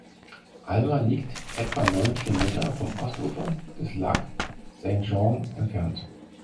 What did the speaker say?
Alma liegt etwa neun Kilometer vom Ostufer des Lac Saint-Jean entfernt.